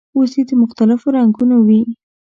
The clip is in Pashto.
وزې د مختلفو رنګونو وي